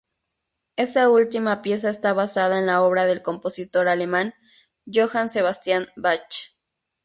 Esa última pieza está basada en la obra del compositor alemán Johann Sebastian Bach.